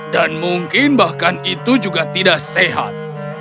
dan mungkin bahkan itu juga tidak sehat